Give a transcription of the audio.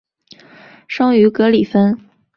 生于格里芬。